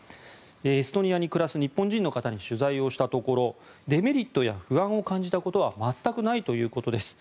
エストニアに暮らす日本人の方に取材をしたところデメリットや不安を感じたことは全くないということです。